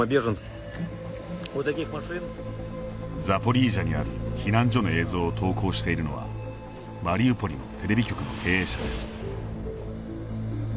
ザポリージャにある避難所の映像を投稿しているのはマリウポリのテレビ局の経営者です。